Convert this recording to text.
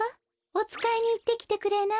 おつかいにいってきてくれない？